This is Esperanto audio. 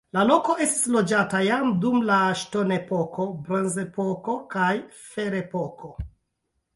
La loko estis loĝata jam dum la ŝtonepoko, bronzepoko kaj ferepoko.